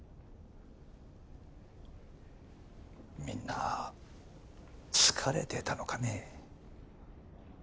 みんな疲れてたのかねぇ。